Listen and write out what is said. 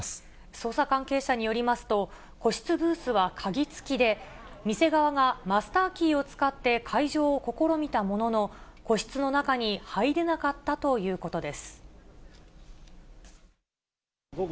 捜査関係者によりますと、個室ブースは鍵付きで、店側がマスターキーを使って開錠を試みたものの、個室の中に入れなかったということです。